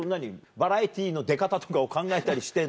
バラエティーの出方とかを考えたりしてんの？